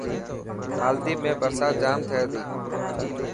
مالديپ ۾ برسات جام ٿي تي.